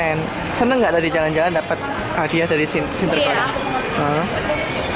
permen senang nggak tadi jalan jalan dapat hadiah dari sinterklas